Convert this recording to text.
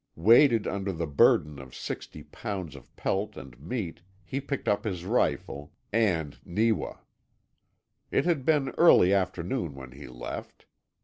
Weighted under the burden of sixty pounds of pelt and meat he picked up his rifle and Neewa. It had been early afternoon when he left.